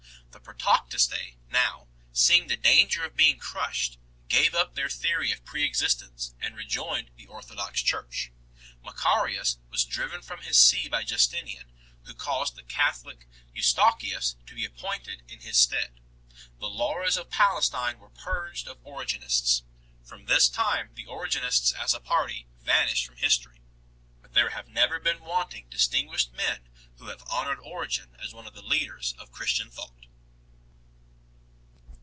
The Pro toktistse now, seeing the danger of being crushed, gave up their theory of preexistence and rejoined the orthodox Church. Macarius was driven from his see by Justinian, who caused the Catholic Eustochius to be appointed in his stead. The Lauras of Palestine were purged of Origenists. From this time the Origenists as a party vanish from history, but there have never been wanting distinguished men who have honoured Origen as one of the leaders of Christian thought.